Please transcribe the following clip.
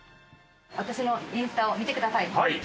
私のインスタを見てください。